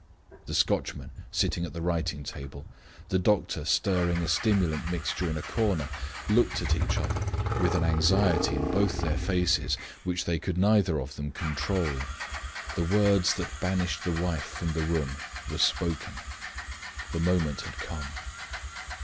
The Scotchman sitting at the writing table, the doctor stirring a stimulant mixture in a corner, looked at each other with an anxiety in both their faces which they could neither of them control. The words that banished the wife from the room were spoken. The moment had come.